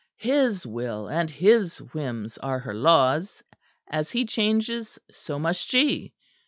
His will and his whims are her laws; as he changes, so must she.